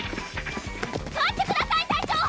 待ってください隊長！